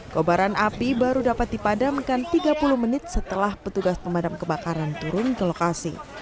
kobaran api baru dapat dipadamkan tiga puluh menit setelah petugas pemadam kebakaran turun ke lokasi